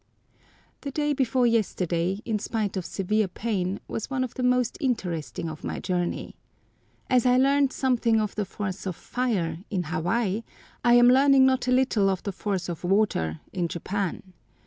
The day before yesterday, in spite of severe pain, was one of the most interesting of my journey. As I learned something of the force of fire in Hawaii, I am learning not a little of the force of water in Japan.